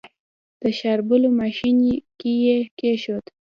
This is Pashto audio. د شاربلو ماشين کې يې کېښود.